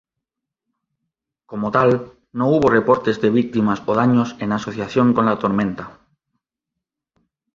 Como tal, no hubo reportes de víctimas o daños en asociación con la tormenta.